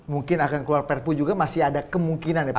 mungkin akan keluar perpu juga masih ada kemungkinan ya pak